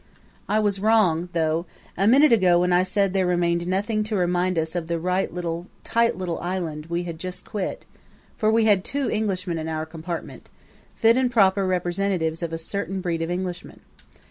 I was wrong, though, a minute ago when I said there remained nothing to remind us of the right little, tight little island we had just quit; for we had two Englishmen in our compartment fit and proper representatives of a certain breed of Englishman.